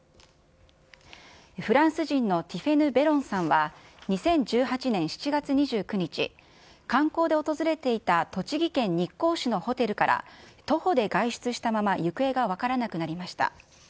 フランス人のティフェヌ・ベロンさんは２０１８年７月２９日、観光で訪れていた栃木県日光市のホテルから、徒歩で外出したまま行方が分からなくなりました。